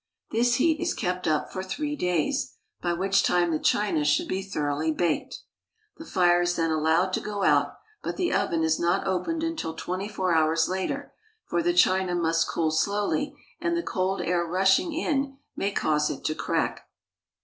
This heat is kept up for three days, by which time the china should be thoroughly baked. The fire is then allowed to go out ; but the oven is not opened until twenty four hours later, for the china must cool slowly, and the cold air rushing in may cause it to crack.